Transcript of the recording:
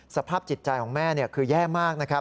สภาพจิตใจของแม่คือแย่มากนะครับ